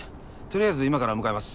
とりあえず今から向かいます。